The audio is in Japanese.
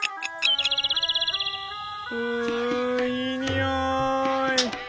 ういいにおい。